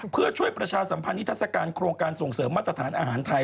เพื่อช่วยประชาสัมพันธ์นิทัศกาลโครงการส่งเสริมมาตรฐานอาหารไทย